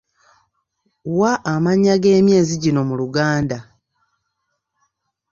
Wa amannya g'emyezi gino mu Luganda.